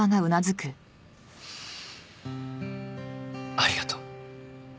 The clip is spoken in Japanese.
ありがとう。